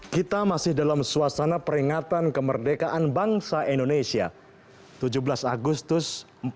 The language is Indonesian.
kita masih dalam suasana peringatan kemerdekaan bangsa indonesia tujuh belas agustus empat puluh lima